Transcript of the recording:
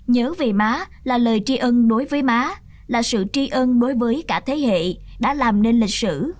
nhớ về má là lời tri ân đối với má là sự tri ân đối với cả thế hệ đã làm nên lịch sử